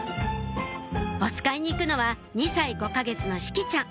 おつかいに行くのは２歳５か月の志葵ちゃん